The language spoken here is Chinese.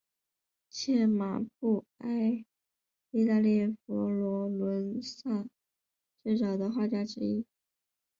契马布埃意大利佛罗伦萨最早的画家之一。